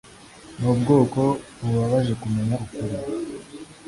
nubwoko bubabaje kumenya ukuri